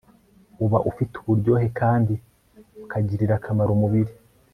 uba ufite uburyohe kandi ukagirira akamaro umubiri